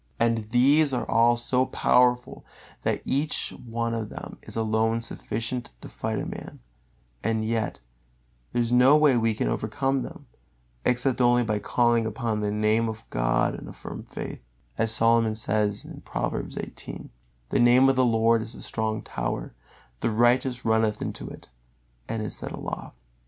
And these three are all so powerful that each one of them is alone sufficient to fight a man, and yet there is no way we can overcome them, except only by calling upon the holy Name of God in a firm faith, as Solomon says, Proverbs xviii: "The Name of the Lord is a strong tower; the righteous runneth into it, and is set aloft."